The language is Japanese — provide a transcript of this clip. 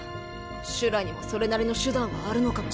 シュラにもそれなりの手段はあるのかもしれねえ。